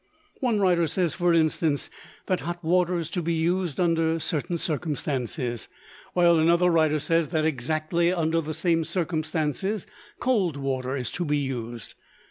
One writer says for instance, that hot water is to be used under certain circumstances, while another writer says that, exactly under the same circumstances, cold water is to be used.